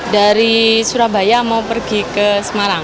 dari surabaya mau pergi ke semarang